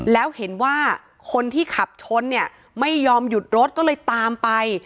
แล้วเห็นว่าคนที่ขับชนเนี่ยไม่ยอมหยุดรถก็เลยตามไป